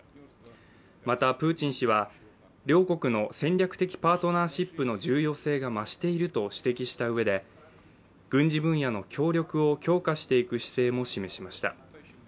またプーチン氏は、両国の戦略的パートナーシップの重要性が増していると指摘したうえで、軍事分野の協力を強化していく姿勢も示しました。